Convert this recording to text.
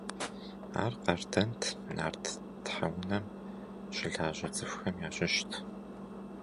Ар къардэнт, нарт тхьэунэм щылажьэ цӀыхухэм ящыщт.